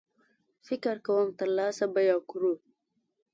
فکر کوم ترلاسه به یې کړو.